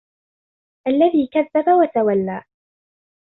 الَّذي كَذَّبَ وَتَوَلّى